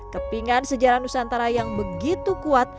kepingan sejarah nusantara yang begitu kuat